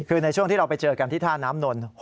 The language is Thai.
คือในช่วงที่เราไปเจอกันที่ท่าน้ำนนท์